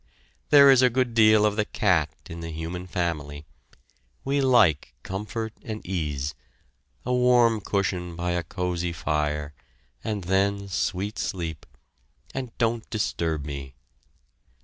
There is a good deal of the cat in the human family. We like comfort and ease a warm cushion by a cosy fire, and then sweet sleep and don't disturb me!